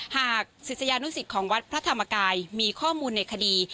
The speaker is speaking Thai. ศิษยานุสิตของวัดพระธรรมกายมีข้อมูลในคดี